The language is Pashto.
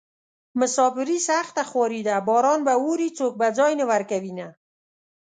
مساپري سخته خواري ده باران به اوري څوک به ځای نه ورکوينه